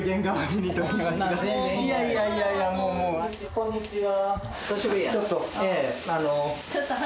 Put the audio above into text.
こんにちは。